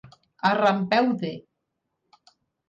A rampeu de.